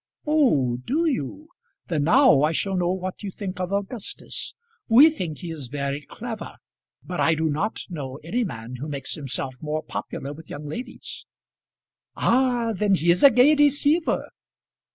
"Oh, do you? Then now I shall know what you think of Augustus. We think he is very clever; but I do not know any man who makes himself more popular with young ladies." "Ah, then he is a gay deceiver."